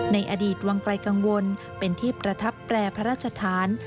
ในอดีตวังไกลกังวลเป็นที่ประทับแปรพระราชฐาน